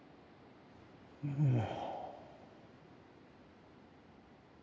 もう。